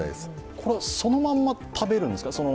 これはそのまま食べるんですか。